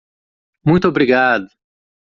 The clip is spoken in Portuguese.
Muito obrigado!